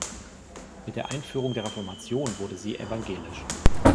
Mit der Einführung der Reformation wurde sie evangelisch.